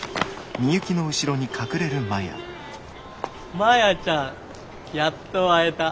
マヤちゃんやっと会えた。